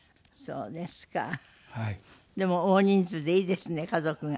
でも大人数でいいですね家族が。